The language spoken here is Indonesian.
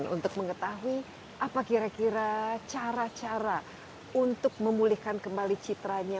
untuk mengetahui apa kira kira cara cara untuk memulihkan kembali citranya